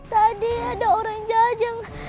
tadi ada orang jajang